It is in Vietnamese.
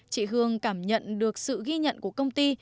chị hương cảm nhận được sự ghi nhận của công ty